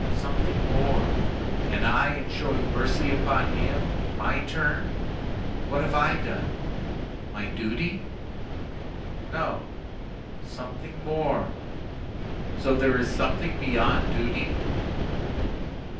Something more. And I in showing mercy upon him in my turn—what have I done? My duty? No. Something more. So there is something beyond duty?"